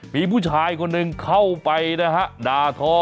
มีผู้ชายคนหนึ่งเข้าไปนะฮะด่าทอ